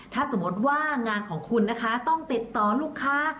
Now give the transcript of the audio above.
ถ้าสมมติว่างานของคุณนะคะต้องติดต่อลูกค้า